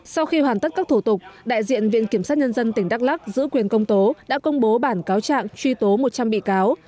sau khi hoàn tất các thủ tục đại diện viện kiểm sát nhân dân tỉnh đắk lắc giữ quyền công tố đã công bố bản cáo trạng truy tố một trăm linh bị cáo